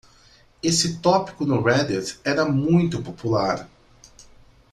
Esse tópico no Reddit era muito popular.